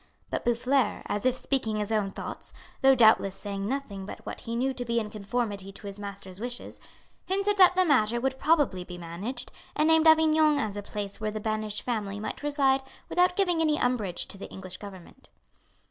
But Boufflers, as if speaking his own thoughts, though doubtless saying nothing but what he knew to be in conformity to his master's wishes, hinted that the matter would probably be managed, and named Avignon as a place where the banished family might reside without giving any umbrage to the English government.